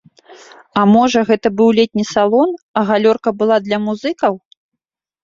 А можа, гэта быў летні салон, а галёрка была для музыкаў?